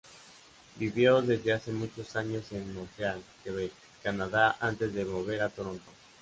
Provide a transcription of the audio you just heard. Vivió desde hace muchos años en Montreal, Quebec, Canadá antes de mover a Toronto.